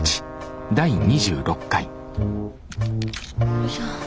よいしょ。